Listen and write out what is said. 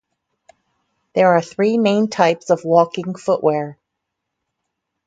There are three main types of walking footwear.